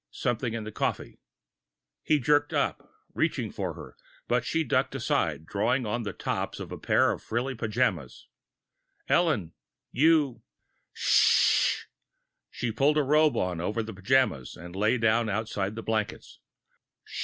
Something in the coffee! He jerked up, reaching for her, but she ducked aside, drawing on the tops to a pair of frilly pajamas. "Ellen, you " "Shh!" She pulled a robe over the pajamas and lay down, outside the blankets.